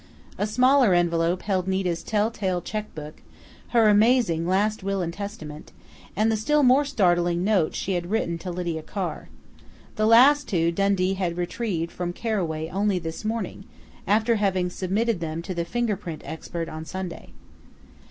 A smaller envelope held Nita's tell tale checkbook, her amazing last will and testament, and the still more startling note she had written to Lydia Carr. The last two Dundee had retrieved from Carraway only this morning, after having submitted them to the fingerprint expert on Sunday.